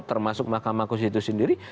termasuk mahkamah konstitusi sendiri